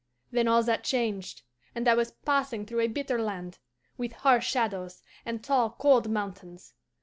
"Then all that changed, and I was passing through a bitter land, with harsh shadows and tall cold mountains.